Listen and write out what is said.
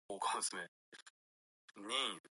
中華人民共和国